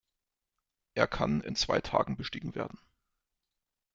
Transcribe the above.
Er kann in zwei Tagen bestiegen werden.